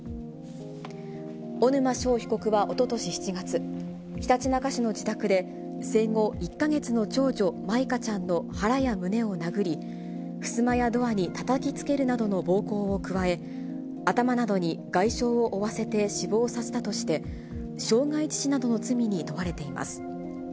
小沼勝被告はおととし７月、ひたちなか市の自宅で、生後１か月の長女、舞香ちゃんの腹や胸を殴り、ふすまやドアにたたきつけるなどの暴行を加え、頭などに外傷を負わせて死亡させたとして、傷害致死などの罪に問われています。